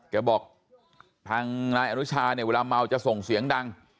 บอกทางนายอนุชาเนี่ยเวลาเมาจะส่งเสียงดัง